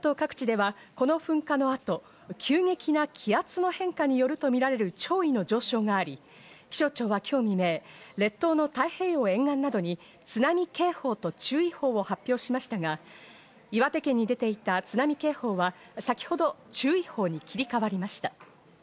日本列島各地では、この噴火の後、急激な気圧の変化によるとみられる潮位の上昇があり、気象庁は今日未明、列島の太平洋沿岸などに津波警報と注意報を発表しましたが、岩手県に出ていた津波警報は先ほど注意報に切り替わりました。